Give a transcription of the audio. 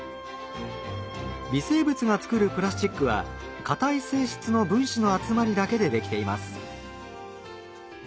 微生物が作るプラスチックはかたい性質の分子の集まりだけでできています。